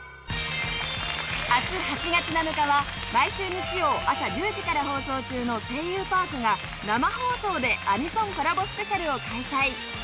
明日８月７日は毎週日曜あさ１０時から放送中の『声優パーク』が生放送でアニソンコラボスペシャルを開催。